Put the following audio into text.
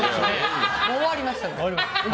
もう終わりました。